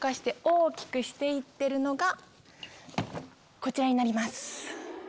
こちらになります。